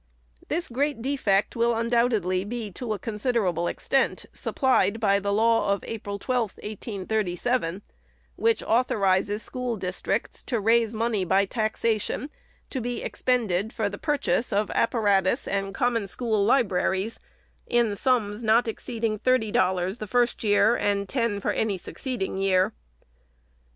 This great defect will undoubt edly be, to a considerable extent, supplied by the law of April 12, 1837, which authorizes school districts to raise money by taxation, to be expended for the purchase of apparatus and Common School Libraries, in sums not exceeding thirty dollars the first year, and ten for any succeeding year.